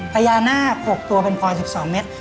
พญานาค๖ตัวเป็นพลอย๑๒เมตร